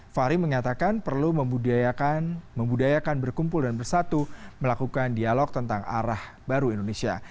fahri mengatakan perlu membudayakan berkumpul dan bersatu melakukan dialog tentang arah baru indonesia